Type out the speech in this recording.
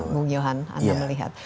ngung yuhan anda melihat